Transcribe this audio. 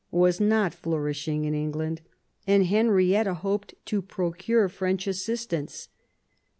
was not flourishing in England, and Henrietta hoped to procure French assistance.